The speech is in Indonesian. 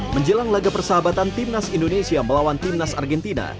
menjelang laga persahabatan timnas indonesia melawan timnas argentina